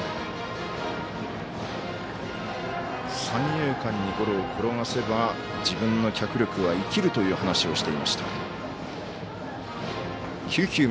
三遊間にゴロを転がせば自分の脚力は生きるという話をしていました。